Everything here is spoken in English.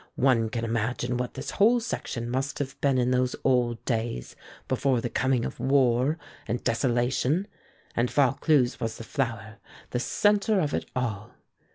One can imagine what this whole section must have been in those old days, before the coming of war and desolation. And Vaucluse was the flower, the centre of it all!"